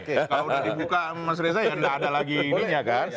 kalau udah dibuka mas reza ya nggak ada lagi ininya kan